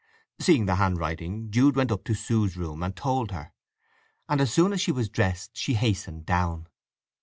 Seeing the handwriting Jude went up to Sue's room and told her, and as soon as she was dressed she hastened down.